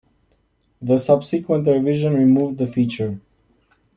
The subsequent revision removed the feature.